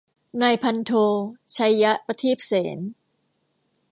นายพันโท ไชย ประทีบเสน